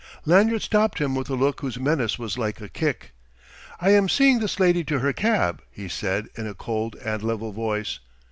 Lanyard stopped him with a look whose menace was like a kick. "I am seeing this lady to her cab," he said in a cold and level voice.